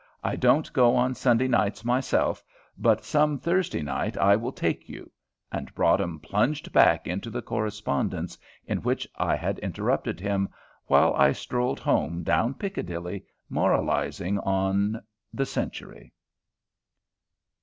I don't go on Sunday nights myself; but some Thursday night I will take you," and Broadhem plunged back into the correspondence in which I had interrupted him, while I strolled home down Piccadilly moralising on the Century.